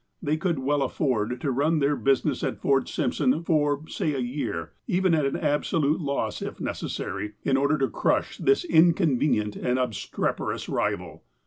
They could well afford to run their busi ness at Fort Simpson for, say a year, even at an absolute loss, if necessary, in order to crush this inconvenient and obstreperous rival.